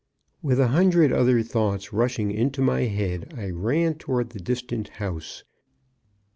With a hundred other thoughts rushing into my head, I ran toward the distant house.